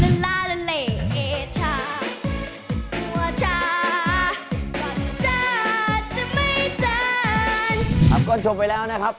อัพกรณ์ชมไปแล้วนะครับ